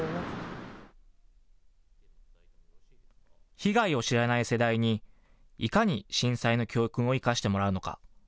被害を知らない世代にいかに震災の教訓を生かしてもらうのか。